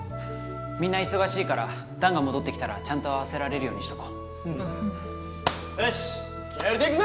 みんな忙しいから弾が戻ってきたらちゃんと合わせられるようにしとこうよし気合い入れていくぞ！